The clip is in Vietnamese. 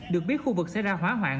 được biết khu vực sẽ ra hỏa hoạn